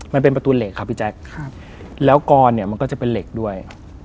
มันเป็นประตูเหล็กครับพี่แจ๊คแล้วกรเนี่ยมันก็จะเป็นเหล็กด้วย